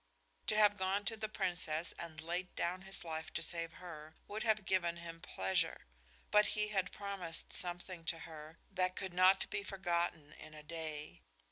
To have gone to the Princess and laid down his life to save her would have given him pleasure, but he had promised something to her that could not be forgotten in a day.